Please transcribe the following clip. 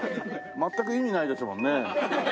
全く意味ないですもんね。